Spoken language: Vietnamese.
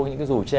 những cái rù tre